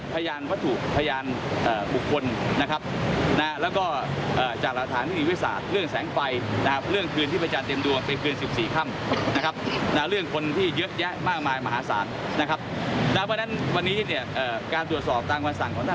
ส่วนเรื่องจุดข่าว